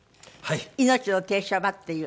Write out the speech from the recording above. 『いのちの停車場』っていう。